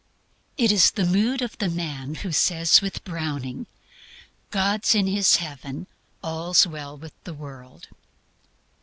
It is the mood of the man who says, with Browning, "God's in His Heaven, all's well with the world."